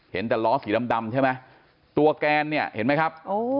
เห็นแต่ล้อสีดำใช่ไหมตัวแกนเนี่ยเห็นไหมครับ